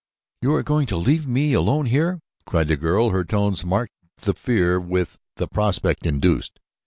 "You are going to leave me here alone?" cried the girl; her tones marked the fear which the prospect induced.